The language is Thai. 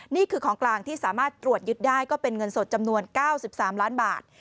นี่คือของกลางที่สามารถตรวจยึดได้ก็เป็นเงินสดจำนวน๙๓ล้านบาท